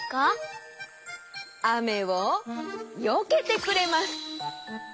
あめをよけてくれます。